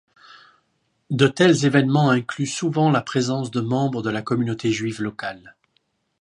De tels événements incluent souvent la présence de membres de la communauté juive locale.